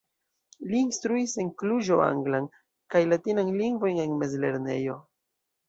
Li instruis en Kluĵo anglan kaj latinan lingvojn en mezlernejo.